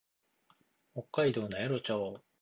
北海道名寄市